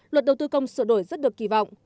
luật đầu tư công sửa đổi rất được kỳ vọng